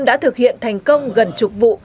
đã thực hiện thành công gần trục vụ